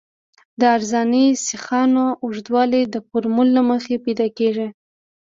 د عرضاني سیخانو اوږدوالی د فورمول له مخې پیدا کیږي